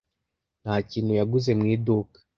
Nta kintu yaguze mu iduka.